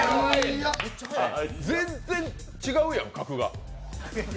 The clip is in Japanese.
全然違うやん、格が。